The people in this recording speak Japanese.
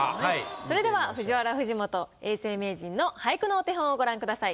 それではＦＵＪＩＷＡＲＡ藤本永世名人の俳句のお手本をご覧ください。